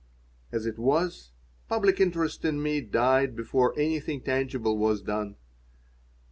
As it was, public interest in me died before anything tangible was done.